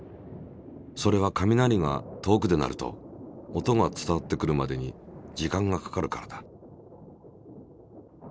それは雷が遠くで鳴ると音が伝わってくるまでに時間がかかるからだ。